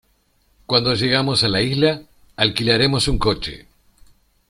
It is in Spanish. Cuando llegamos a la isla, alquilaremos un coche.